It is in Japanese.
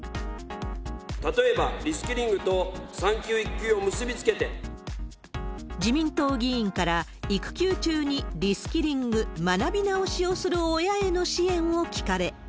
例えば、リスキリングと産休、自民党議員から、育休中にリスキリング・学び直しをする親への支援を聞かれ。